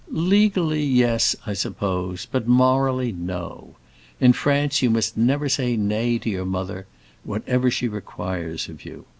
"Legally, yes, I suppose; but morally, no. In France you must never say nay to your mother, whatever she requires of you.